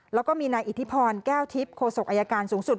แล้วก็มีนายอิทธิพรแก้วทิพย์โศกอายการสูงสุด